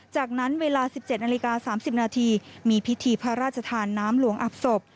จากนั้นเวลา๑๗นาฬิกา๓๐นาทีมีพิธีพระราชทานน้ำหลวงอับศพ